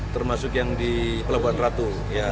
termasuk yang di pelabuhan ratu